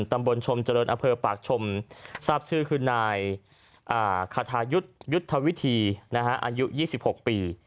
ตำบลชมเจริญอเภอปากชมทราบชื่อคือนายคทายุทธ์ยุทธวิธีอายุ๒๖ปี